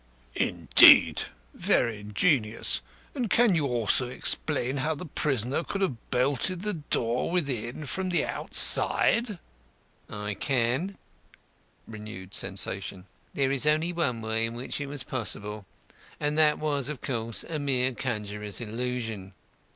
"Indeed. Very ingenious. And can you also explain how the prisoner could have bolted the door within from the outside?" "I can. (Renewed sensation.) There is only one way in which it was possible and that was, of course, a mere conjurer's illusion.